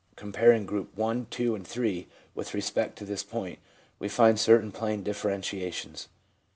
1 Comparing Group L, II. and III. with respect to this point, we find certain plain differentiations.